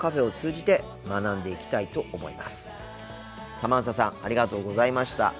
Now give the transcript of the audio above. サマンサさんありがとうございました。